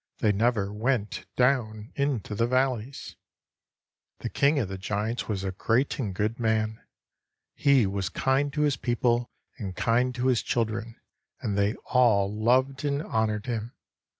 They never went down into the valleys. The king of the giants was a great and a good man. He was kind to his people, and kind to his children, and they all loved and honored him.